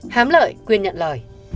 hám lợi quyền nhận lời